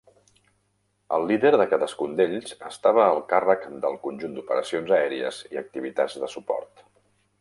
El líder de cadascun d'ells estava al càrrec del conjunt d'operacions aèries i activitats de suport.